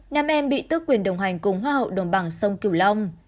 nam em bị tước quyền đồng hành cùng hoa hậu đồng bằng sông cửu long